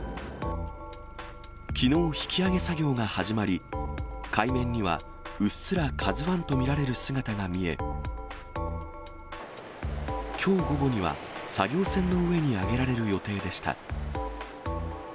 きのう、引き揚げ作業が始まり、海面には、うっすらＫＡＺＵＩと見られる姿が見え、きょう午後には、作業船の上に揚げられる予定でした。